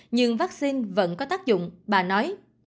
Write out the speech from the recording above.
nhưng vaccine vẫn có tác dụng bà nói